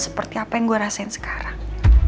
seperti apa yang gue rasain sekarang